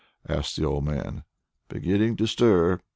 asked the old man. "Beginning to stir!"